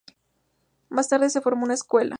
Más tarde se formó una escuela.